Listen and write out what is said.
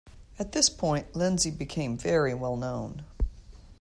At this point, Lindsay became very well known.